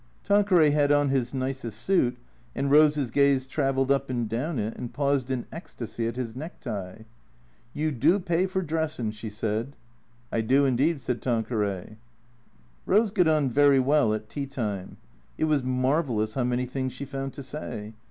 Tanqueray had on his nicest suit, and Eose's gaze travelled up and down it, and paused in ecstasy at his necktie. " You do pay for dressin','' she said. " I do indeed," said Tanqueray. Eose got on very w^ell at tea time. It was marvellous how many things she found to say.